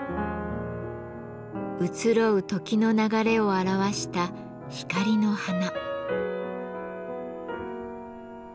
移ろう時の流れを表した光の花。